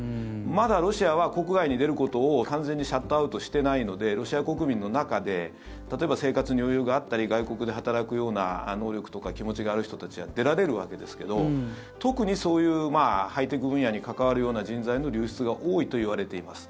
まだロシアは国外に出ることを完全にシャットアウトしてないのでロシア国民の中で例えば生活に余裕があったり外国で働くような能力とか気持ちがある人たちは出られるわけですけど特にそういうハイテク分野に関わるような人材の流出が多いといわれています。